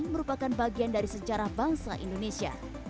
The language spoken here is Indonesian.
merupakan bagian dari sejarah bangsa indonesia